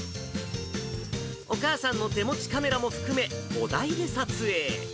お母さんの手持ちカメラも含め、５台で撮影。